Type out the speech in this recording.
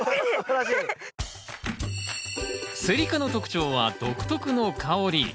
セリ科の特徴は独特の香り。